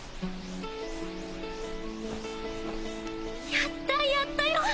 やったやったよ！